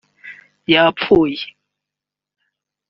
yapfuye